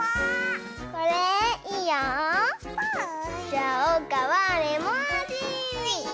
じゃあおうかはレモンあじ！